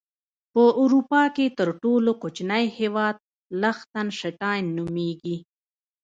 په اروپا کې تر ټولو کوچنی هیواد لختن شټاين نوميږي.